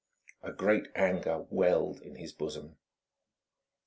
A great anger welled in his bosom.